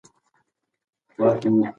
د موقف ټینګول د احترام جلبولو وسیله ده.